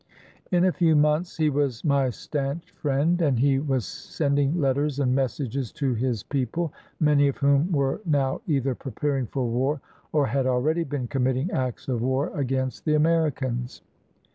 In a few months he was my stanch friend, and was sending letters and messages to his people, many of whom were now either preparing for war or had already been committing acts of war against the Americans.